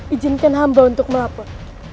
ijinkan hamba untuk melapor